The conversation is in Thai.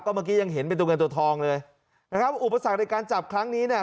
เมื่อกี้ยังเห็นเป็นตัวเงินตัวทองเลยนะครับอุปสรรคในการจับครั้งนี้เนี่ย